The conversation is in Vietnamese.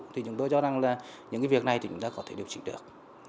thì chúng tôi cho rằng là những cái việc này thì chúng ta có thể điều trị được